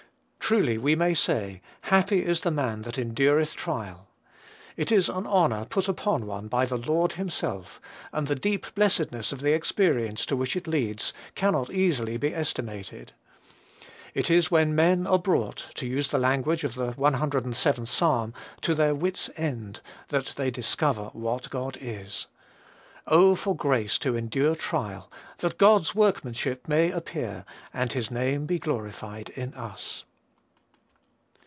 Truly we may say, "Happy is the man that endureth trial." It is an honor put upon one by the Lord himself, and the deep blessedness of the experience to which it leads cannot easily be estimated. It is when men are brought, to use the language of the 107th Psalm, "to their wits' end," that they discover what God is. Oh, for grace to endure trial, that God's workmanship may appear, and his name be glorified in us!